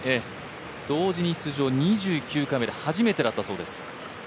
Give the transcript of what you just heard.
同時に出場、２９回目で初めてだったそうです。